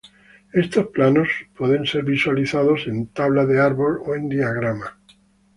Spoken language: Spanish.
Estos planos pueden ser visualizados en tabla de árbol o en diagrama.